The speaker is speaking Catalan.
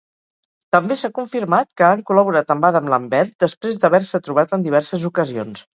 També s'ha confirmat que han col·laborat amb Adam Lambert després d'haver-se trobat en diverses ocasions.